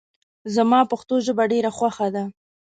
زما پښتو ژبه ډېره خوښه ده